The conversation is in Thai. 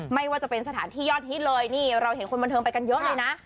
ไม่ว่าจะเป็นสถานที่ยอดฮิตเลยนี่เราเห็นคนบันเทิงไปกันเยอะเลยนะ